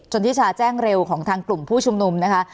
ทิชาแจ้งเร็วของทางกลุ่มผู้ชุมนุมนะคะ